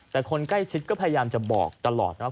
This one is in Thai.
แต่คนใกล้ชิดก็พยายามจะบอกตลอดนะ